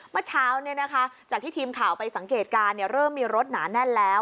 เมื่อเช้าจากที่ทีมข่าวไปสังเกตการณ์เริ่มมีรถหนาแน่นแล้ว